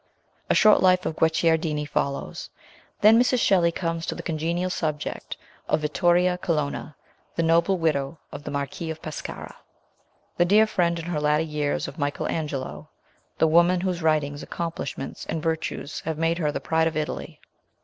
A short life of Guicciardini follows; then Mrs. Shelley comes to the congenial subject of Vittoria Colonna, the noble widow of the Marquis of Pescara, the dear friend in her latter years of Michael Angelo, the woman whose writings, accomplishments, and virtues have made her the pride of Italy.